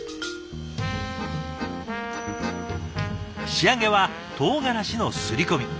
仕上げはとうがらしのすり込み。